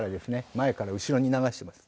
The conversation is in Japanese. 前から後ろに流してます。